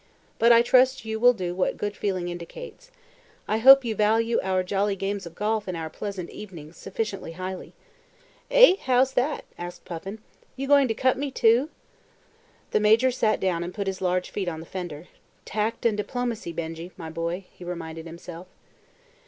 But I trust you will do what good feeling indicates. I hope you value our jolly games of golf and our pleasant evenings sufficiently highly." "Eh! how's that?" asked Puffin. "You going to cut me too?" The Major sat down and put his large feet on the fender. "Tact and diplomacy, Benjy, my boy," he reminded himself.